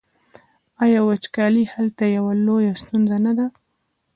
آیا وچکالي هلته یوه لویه ستونزه نه ده؟